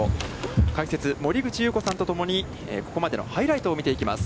解説、森口祐子さんとともにここまでのハイライトを見ていきます。